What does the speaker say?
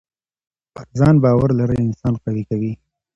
پر ځان باور لرل انسان قوي کوي.